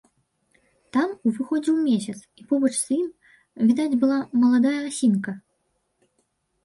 Там узыходзіў месяц, і побач з ім відаць была маладая асінка.